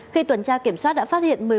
khi tuần tra kiểm soát đã phát hiện